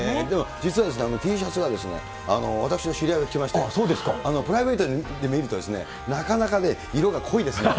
実はですね、あのＴシャツは、私の知り合いが来まして、プライベートで見るとですね、なかなかね、色が濃いですね。